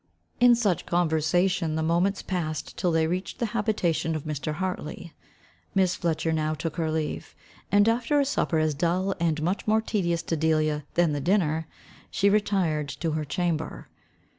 _ In such conversation the moments passed till they reached the habitation of Mr. Hartley. Miss Fletcher now took her leave. And after a supper as dull, and much more tedious to Delia, than the dinner, she retired to her chamber.